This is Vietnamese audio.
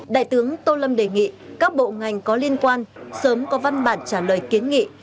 đại tướng tô lâm đề nghị các bộ ngành có liên quan sớm có văn bản trả lời kiến nghị